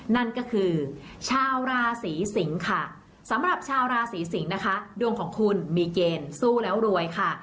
นั่นก็คือชาวราศีสิงค่ะสำหรับชาวราศีสิงศ์นะคะดวงของคุณมีเกณฑ์สู้แล้วรวยค่ะ